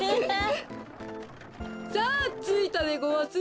さあついたでごわす。